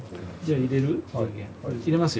入れますよ。